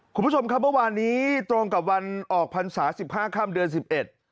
คุณผู้ชมครับว่าวันนี้ตรงกับวันออกพันศาสตร์๑๕ข้ามเดือน๑๑